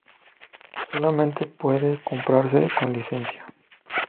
Solamente puede comprarse con licencia.